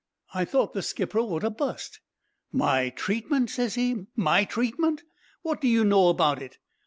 "I thought the skipper would ha' bust. "'My treatment?' ses he. 'My treatment? What do you know about it?'